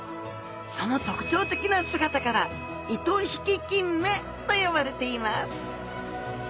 その特徴的な姿から糸引ききんめと呼ばれています。